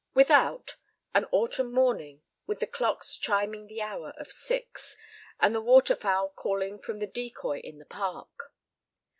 Without—an autumn morning, with the clocks chiming the hour of six, and the water fowl calling from the decoy in the park.